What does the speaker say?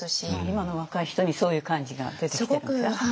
今の若い人にそういう感じが出てきてるんですか。